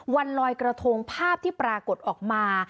วันลอยกระทงภาพที่ปรากฏออกมา